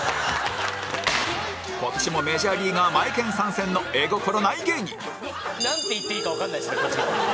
今年もメジャーリーガーマエケン参戦の絵心ない芸人なんて言っていいかわかんないですね。